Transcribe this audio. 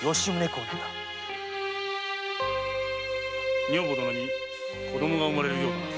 〔女房どのに子供が生まれるようだな？